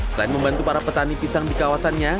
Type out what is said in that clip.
selain membantu para petani pisang di kawasannya